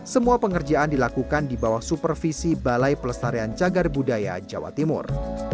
semua pengerjaan dilakukan di bawah supervisi balai pelestarian cagar budaya jawa timur